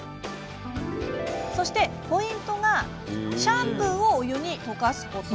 そしてポイントがシャンプーを、お湯に溶かすこと。